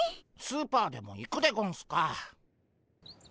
スーパーでも行くでゴンスか？